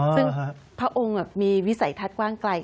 ซึ่งพระองค์มีวิสัยทัศน์กว้างไกล